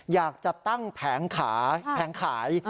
อยากจะตั้งแผงขาย